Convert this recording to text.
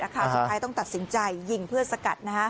สุดท้ายต้องตัดสินใจยิงเพื่อสกัด